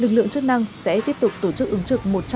lực lượng chức năng sẽ tiếp tục tổ chức ứng trực